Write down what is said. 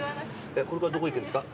これからどこ行くんですか？